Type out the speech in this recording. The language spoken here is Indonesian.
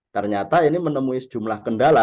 ternyata ini menemui sejumlah kendala